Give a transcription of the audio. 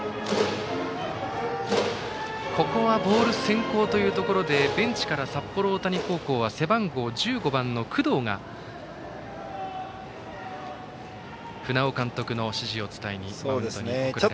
ここはボール先行というところでベンチから札幌大谷高校は背番号１５番の工藤が船尾監督の指示を伝えにマウンドに行きました。